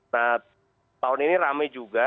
nah tahun ini rame juga